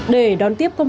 để đón tiếp bệnh